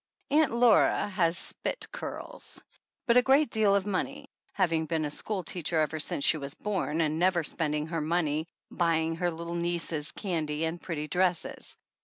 Aunt Laura has spit curls, but a great deal of money, having been a school teacher ever since she was born, and never spending her money ruying her little nieces candy and pretty dresses.